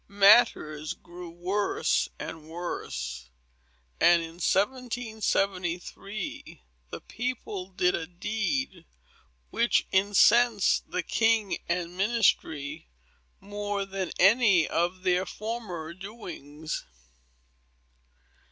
Matters grew worse and worse; and in 1773, the people did a deed, which incensed the king and ministry more than any of their former doings."